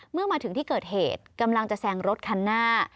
เมื่อมาถึงที่เกิดเหตุกำลังจะแซงรถคันหน้า